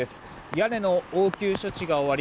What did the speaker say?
屋根の応急処置が終わり